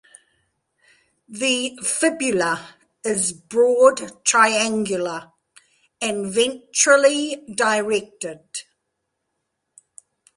The fibula is broad triangular and ventrally directed.